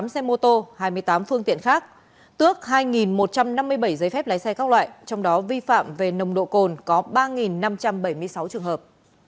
một mươi xe mô tô hai mươi tám phương tiện khác tước hai một trăm năm mươi bảy giấy phép lái xe các loại trong đó vi phạm về nồng độ cồn có ba năm trăm bảy mươi sáu trường hợp